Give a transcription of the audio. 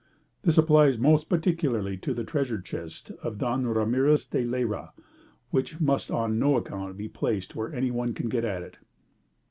This applies most particularly to the treasure chest of Don Ramirez di Leyra, which must on no account be placed where anyone can get at it.